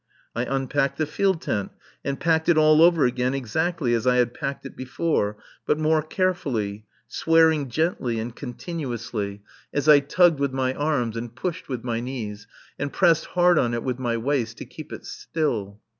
I unpacked the field tent and packed it all over again exactly as I had packed it before, but more carefully, swearing gently and continuously, as I tugged with my arms and pushed with my knees, and pressed hard on it with my waist to keep it still.